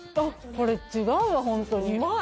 これ違うわホントにうまい！